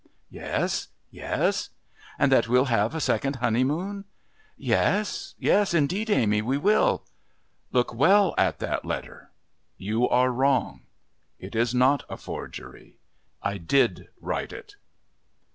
"Yes, yes." "And that we'll have a second honeymoon?" "Yes, yes. Indeed, Amy, we will." "Look well at that letter. You are wrong. It is not a forgery. I did write it."